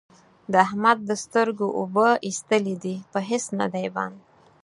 د احمد د سترګو اوبه اېستلې دي؛ په هيڅ نه دی بند،